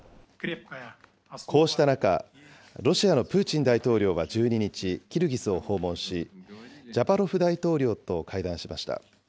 こうした中、ロシアのプーチン大統領は１２日、キルギスを訪問し、ジャパロフ大統領と会談しました。